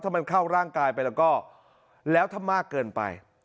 ถ้ามันเข้าร่างกายไปแล้วก็แล้วถ้ามากเกินไป